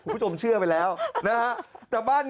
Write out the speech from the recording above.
พูดเล่น